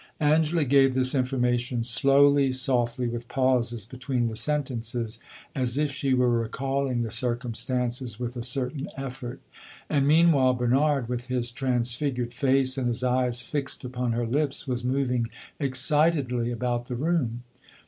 Angela gave this information slowly, softly, with pauses between the sentences, as if she were recalling the circumstances with a certain effort; and meanwhile Bernard, with his transfigured face and his eyes fixed upon her lips, was moving excitedly about the room.